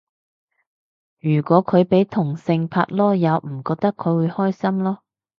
如果佢俾同性拍籮柚唔覺佢會開心囉